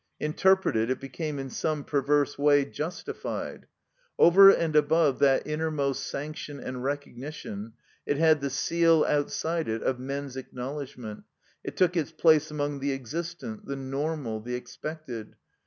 Interpreted, it became in some perverse way justified. Over and above that inner most sanction and recognition it had the seal out side it of men's acknowledgment, it took its place among the existent, the normal, the expected.